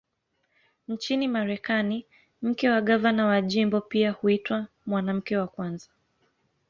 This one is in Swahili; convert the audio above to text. Nchini Marekani, mke wa gavana wa jimbo pia huitwa "Mwanamke wa Kwanza".